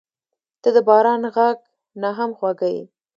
• ته د باران غږ نه هم خوږه یې.